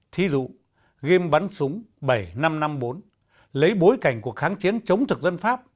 thí dụ game bắn súng bảy nghìn năm trăm năm mươi bốn lấy bối cảnh cuộc kháng chiến chống thực dân pháp